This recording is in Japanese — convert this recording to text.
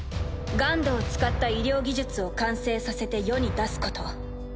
ＧＵＮＤを使った医療技術を完成させて世に出すこと。